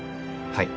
はい。